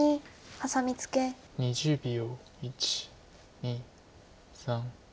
２０秒。